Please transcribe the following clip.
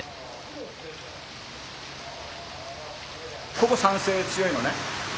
ここ酸性強いのね。